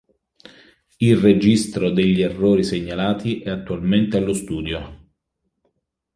Il registro degli errori segnalati è attualmente allo studio.